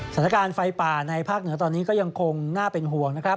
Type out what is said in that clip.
สถานการณ์ไฟป่าในภาคเหนือตอนนี้ก็ยังคงน่าเป็นห่วงนะครับ